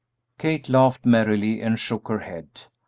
Kate laughed merrily and shook her head.